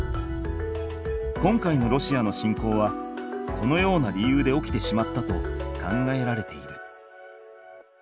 今回のロシアの侵攻はこのような理由で起きてしまったと考えられている。